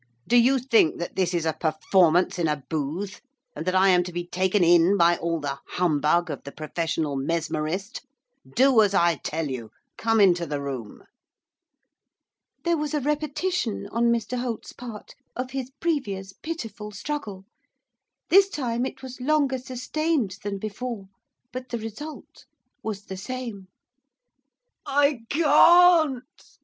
Do you think that this is a performance in a booth, and that I am to be taken in by all the humbug of the professional mesmerist? Do as I tell you, come into the room.' There was a repetition, on Mr Holt's part, of his previous pitiful struggle; this time it was longer sustained than before, but the result was the same. 'I can't!